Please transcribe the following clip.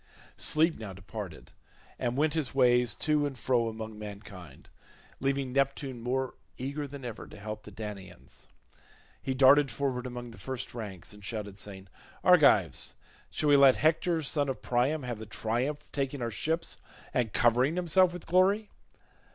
Sleep now departed and went his ways to and fro among mankind, leaving Neptune more eager than ever to help the Danaans. He darted forward among the first ranks and shouted saying, "Argives, shall we let Hector son of Priam have the triumph of taking our ships and covering himself with glory?